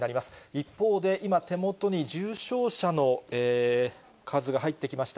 一方で今、手元に重症者の数が入ってきました。